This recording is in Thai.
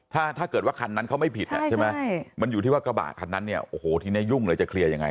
ถ้าถ้าเกิดว่าคันนั้นเขาไม่ผิดใช่ไหมมันอยู่ที่ว่ากระบะคันนั้นเนี่ยโอ้โหทีนี้ยุ่งเลยจะเคลียร์ยังไง